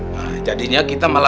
nah jadinya kita malah